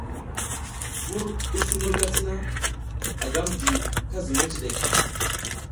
Vur i misi murga sina, a gam di ka zuƞ meciɗek.